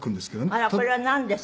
あらこれはなんです？